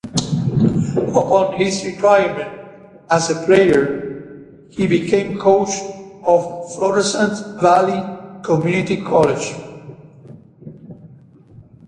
Upon his retirement as a player, he became coach of Florissant Valley Community College.